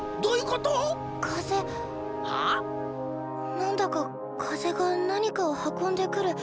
何だか風が何かを運んでくる。